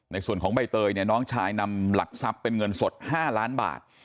ในส่วนของใบเตยเนี่ยน้องชายนำหลักทรัพย์เป็นเงินสด๕ล้านบาท